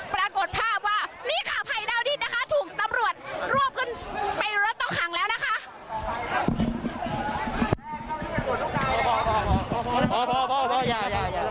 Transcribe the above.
ปรากฏภาพว่านี่ค่ะภัยดาวดินนะคะถูกตำรวจรวบขึ้นไปรถต้องขังแล้วนะคะ